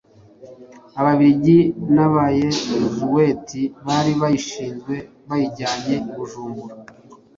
Ababiligi n'Abayezuwiti bari bayishinzwe bayijyanye i Bujumbura.